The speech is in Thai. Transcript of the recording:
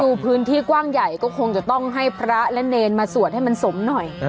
ดูพื้นที่กว้างใหญ่ก็คงจะต้องให้พระและเนรมาสวดให้มันสมหน่อย